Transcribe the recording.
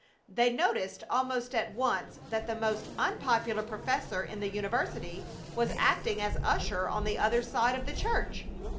They noticed almost at once that the most unpopular professor in the university was acting as usher on the other side of the church.